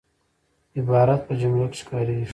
عبارت په جمله کښي کاریږي.